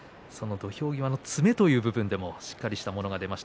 土俵際の詰めというところでもしっかりしたものが出ました、